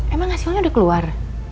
emang hasilnya udah keluar